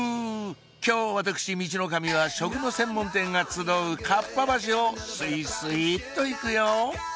今日私ミチノカミは食の専門店が集うかっぱ橋をスイスイっと行くよ！